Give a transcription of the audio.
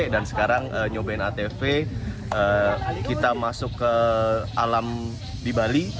dan sekarang nyobain atv kita masuk ke alam di bali